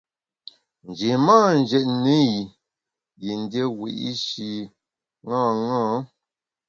Nji mâ njètne i yin dié wiyi’shi ṅaṅâ.